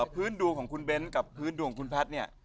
พื้นดวงของคุณเบ้นกับพื้นดวงคุณแพทย์เนี่ย